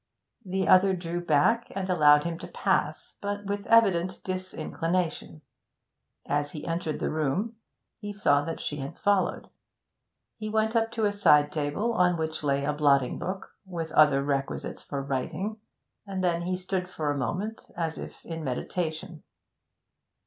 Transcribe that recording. The other drew back and allowed him to pass, but with evident disinclination. As he entered the room, he saw that she had followed. He went up to a side table, on which lay a blotting book, with other requisites for writing, and then he stood for a moment as if in meditation.